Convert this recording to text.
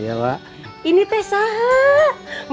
sampai jumpa di rumah dua kamu